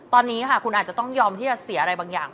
ตอนนี้ค่ะคุณอาจจะต้องยอมที่จะเสียอะไรบางอย่าง